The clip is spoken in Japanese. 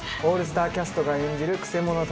オールスターキャストが演じる曲者